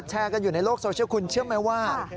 กันอยู่ในโลกโซเชียลคุณเชื่อไหมว่า